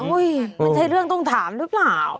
มันใช่เรื่องต้องถามหรือเปล่า